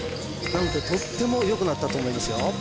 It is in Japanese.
なのでとってもよくなったと思いますよ